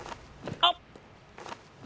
あっ！